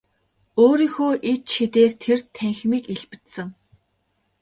Өөрийнхөө ид шидээр тэр танхимыг илбэдсэн.